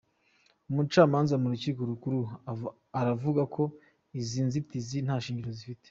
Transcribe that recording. Umucamanza mu rukiko rukuru aravuga ko izi nzitizi nta shingiro zifite.